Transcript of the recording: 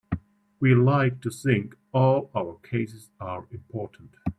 We like to think all our cases are important.